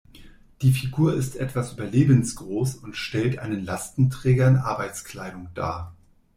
Die Figur ist etwas überlebensgroß und stellt einen Lastenträger in Arbeitskleidung dar.